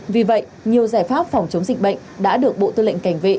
vì vậy nhiều giải pháp phòng chống dịch bệnh đã được bộ tư lệnh cảnh vệ